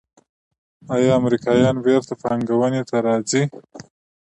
آیا امریکایان بیرته پانګونې ته راځí؟